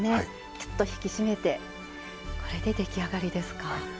きゅっと引き締めてこれで出来上がりですか。